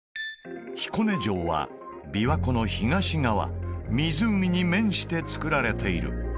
彦根城は琵琶湖の東側湖に面して造られている